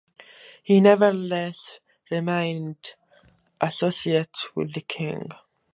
He nevertheless remained associated with the King.